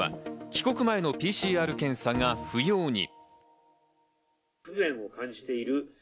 帰国前のＰＣＲ検査が不要に。